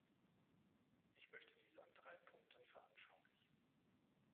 Ich möchte dies an drei Punkten veranschaulichen.